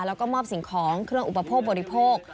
แล้วก็มอบสิ่งของเครื่องอุปโภคบริโภค